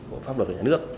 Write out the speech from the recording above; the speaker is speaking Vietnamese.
của pháp luật của nhà nước